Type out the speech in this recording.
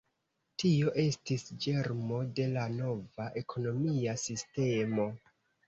Tio estis ĝermo de la nova ekonomia sistemo.